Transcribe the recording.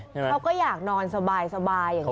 เขาก็อยากนอนสบายอย่างนี้